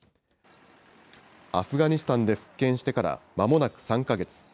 アフガニスタンで復権してからまもなく３か月。